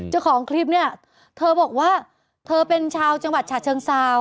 เจ้าของคลิปเนี่ยเธอบอกว่าเธอเป็นชาวจังหวัดฉะเชิงเซา